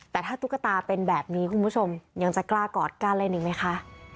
แต่ถ้าตุ๊กตาเป็นแบบนี้คุณผู้ชมยังจะกล้ากอดกล้าเล่นอีกไหมคะ